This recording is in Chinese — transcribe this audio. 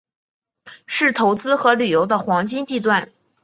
是投资和旅游的黄金地段。